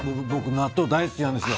僕、納豆大好きなんですよ。